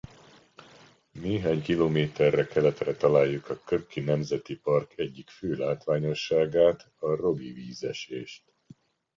Néhány kilométerre keletre találjuk a Krka Nemzeti Park egyik fő látványosságát a Rogi-vízesést.